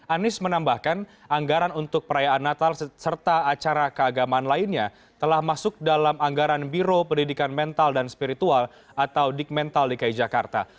anies menambahkan anggaran untuk perayaan natal serta acara keagamaan lainnya telah masuk dalam anggaran biro pendidikan mental dan spiritual atau dikmental dki jakarta